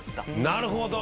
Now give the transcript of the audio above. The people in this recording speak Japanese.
なるほど。